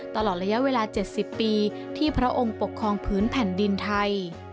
ตลอดระยะเวลา๗๐ปีที่พระองค์ปกครองพื้นแผ่นดินไทย